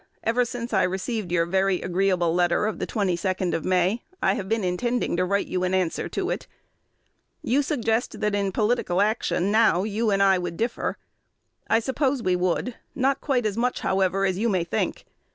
Ever since I received your very agreeable letter of the 22d of May, I have been intending to write you an answer to it. You suggest that in political action now you and I would differ. I suppose we would; not quite as much, however, as you may think.